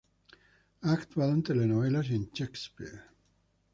Ha actuado en telenovelas y en "Shakespeare".